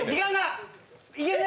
いけるね！